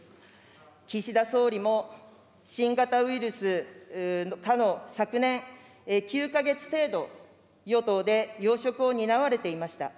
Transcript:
岸田総理も新型ウイルス禍の昨年、９か月程度、与党で要職を担われていました。